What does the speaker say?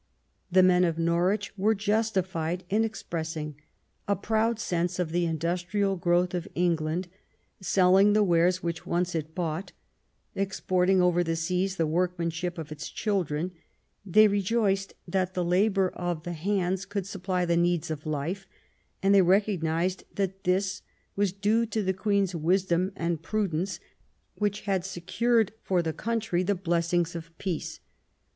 The men of Norwich were justified in ex pressing a proud sense of the industrial growth of England, selling the wares which once it bought, exporting over the seas the workmanship of its children ; they rejoiced that the labour of the hands could supply the needs of life, and they recognised that this was due to the Queen's wisdom and pru dence, which had secured for the country the blessings of peace.